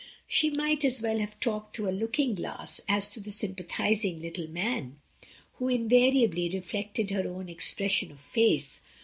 She might as well have talked to a looking glass as to the sympathising little man, who invariably reflected her own expression of face.